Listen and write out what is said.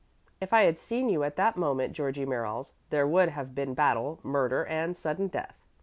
"If I had seen you at that moment, Georgie Merriles, there would have been battle, murder, and sudden death.